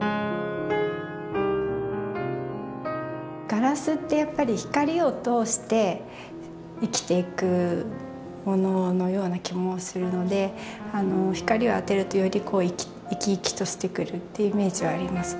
ガラスってやっぱり光を通して生きていくもののような気もするので光を当てるとより生き生きとしてくるっていうイメージはあります。